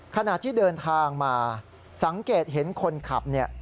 ขณะที่เดินทางมาสังเกตเห็นคนขับเนี่ย